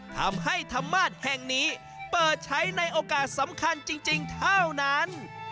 ธรรมาศแห่งนี้เปิดใช้ในโอกาสสำคัญจริงเท่านั้น